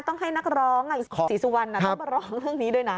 ต้องให้นักร้องศรีสุวรรณต้องมาร้องเรื่องนี้ด้วยนะ